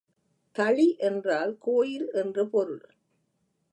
தளி என்றால் கோயில் என்று பொருள்.